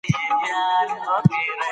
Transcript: ده خپلې تېروتني هم ومنلې